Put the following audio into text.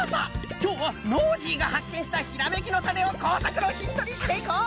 きょうはノージーがはっけんしたひらめきのタネをこうさくのヒントにしていこう！